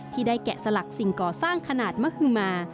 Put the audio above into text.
ที่ได้แกะสลักสิ่งก่อสร้างขนาดมหึมา